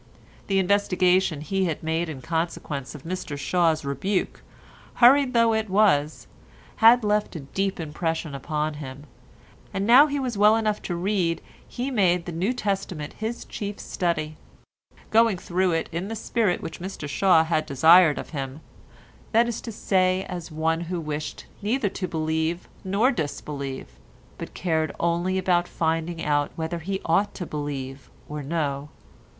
The investigation he had made in consequence of Mr Shaw's rebuke, hurried though it was, had left a deep impression upon him, and now he was well enough to read he made the New Testament his chief study, going through it in the spirit which Mr Shaw had desired of him, that is to say as one who wished neither to believe nor disbelieve, but cared only about finding out whether he ought to believe or no.